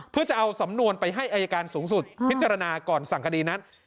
เพื่อจะเอาสำนวนไปให้อายการสูงสุดพิจารณาก่อนสั่งคดีนั้น